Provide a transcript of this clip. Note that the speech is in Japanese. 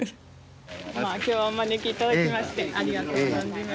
今日はお招きいただきましてありがとう存じます。